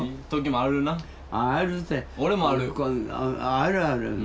あるある。